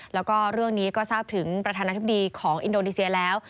แล้วก็เรื่องนี้ก็ทราบถึงประธานาธิบดีของอินโดนีเซียแล้ว